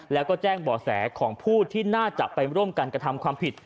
แล้วก็แจ้งบ่อแสของผู้ที่น่าจะไปร่วมกันกระทำความผิด